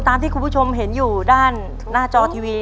ตามที่คุณผู้ชมเห็นอยู่ด้านหน้าจอทีวี